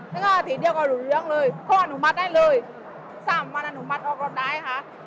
แล้วก็ทีเดียวก็หลุงเลี้ยงเลยเข้าอนุมัติได้เลยสร้างอำนาจอนุมัติออกรถไหนค่ะ